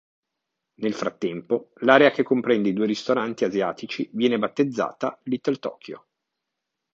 Nel frattempo l'area che comprende i due ristoranti asiatici viene battezzata "Little Tokyo".